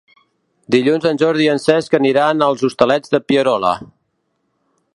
Dilluns en Jordi i en Cesc aniran als Hostalets de Pierola.